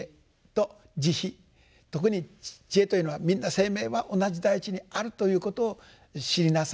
特に智慧というのはみんな生命は同じ大地にあるということを知りなさい。